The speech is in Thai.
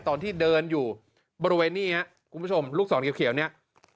ตอนที่เดินอยู่บริเวณนี้ครับคุณผู้ชมลูกศรเขียวเนี่ย